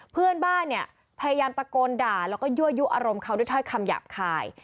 เพื่อนบ้านเนี่ยพยายามตะโกนด่าแล้วก็ยั่วยุอารมณ์เขาด้วยถ้อยคำหยาบคาย